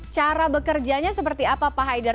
cara bekerjanya seperti apa pak haidar